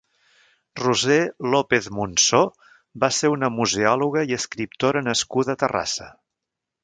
Roser López Monsò va ser una museòloga i escriptora nascuda a Terrassa.